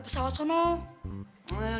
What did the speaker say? pengen ke pesawat sana